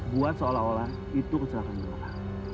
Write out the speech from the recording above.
buat seolah olah itu kecelakaan belakang